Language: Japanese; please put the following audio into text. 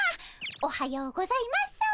おはようございます。